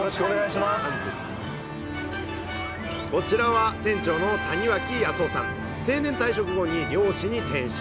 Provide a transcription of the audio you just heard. こちらは船長の定年退職後に漁師に転身。